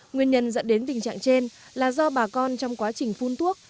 nguyên nhân dẫn đến tình trạng trên là do bà con trong quá trình phun thuốc